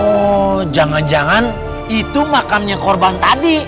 oh jangan jangan itu makamnya korban tadi